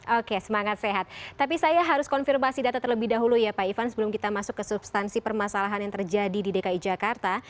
oke semangat sehat tapi saya harus konfirmasi data terlebih dahulu ya pak ivan sebelum kita masuk ke substansi permasalahan yang terjadi di dki jakarta